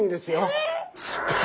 えっ？